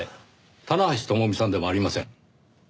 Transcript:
棚橋智美さんでもありません。